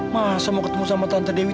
masa mau ketemu sama tante dewi